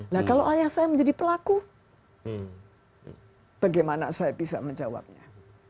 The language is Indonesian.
nah kalau ayah saya menjadi pelaku bagaimana saya bisa menjawabnya